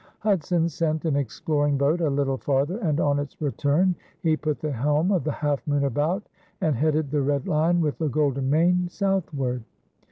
Hudson sent an exploring boat a little farther, and on its return he put the helm of the Half Moon about and headed the red lion with the golden mane southward.